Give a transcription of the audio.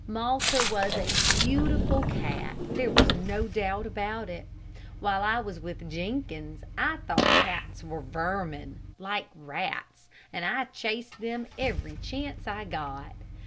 Malta was a beautiful cat there was no doubt about it. While I was with Jenkins I thought cats were vermin, like rats, and I chased them every chance I got.